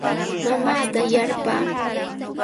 Mamaata yarpaa.